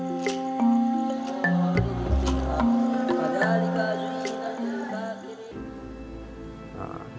dikawal oleh anak anak teroris